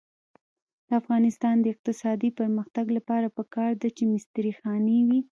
د افغانستان د اقتصادي پرمختګ لپاره پکار ده چې مستري خانې وي.